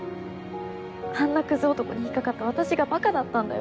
あんなクズ男に引っかかった私がバカだったんだよ。